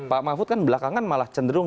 pak mahfud kan belakangan malah cenderung